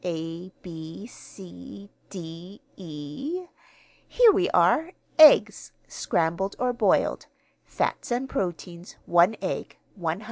A b c d e here we are. 'Eggs, scrambled or boiled, fats and proteins, one egg, 100.'